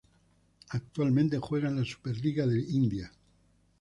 Actualmente juega en la Superliga de India.